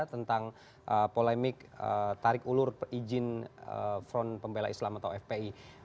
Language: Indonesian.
tentang polemik tarik ulur izin front pembela islam atau fpi